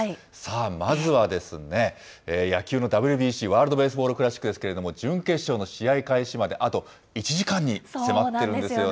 さあ、まずは野球のＷＢＣ・ワールドベースボールクラシックですけれども、準決勝の試合開始まであと１時間に迫っているんですよ